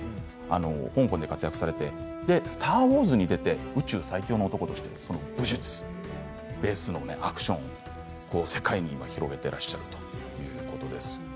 香港で活躍されて「スター・ウォーズ」に出て宇宙最高の男として武術、アクション世界に広げていらっしゃいます。